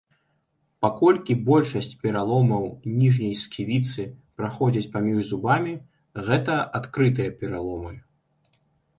Паколькі большасць пераломаў ніжняй сківіцы праходзяць паміж зубамі, гэта адкрытыя пераломы.